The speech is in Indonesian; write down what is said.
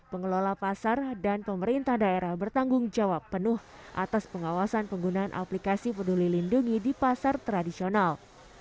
pengelola pasar dan pemerintah daerah bertanggung jawab penuh atas pengawasan penggunaan aplikasi peduli lindungi di pasar tradisional